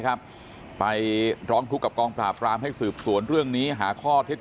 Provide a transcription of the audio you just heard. ครับไปร้องทุกข์กับกองปราบรามให้สืบสวนเรื่องนี้หาข้อเท็จจริง